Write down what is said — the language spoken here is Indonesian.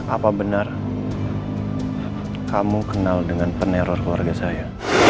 apa benar kamu kenal dengan peneror keluarga saya